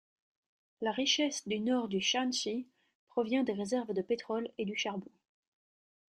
La richesse du nord du Shaanxi provient des réserves de pétrole et du charbon.